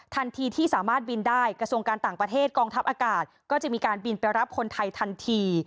ทันทีที่สามารถบินได้กระทรวงการต่างประเทศกองทัพอากาศก็จะมีการบินไปรับคนไทยทันที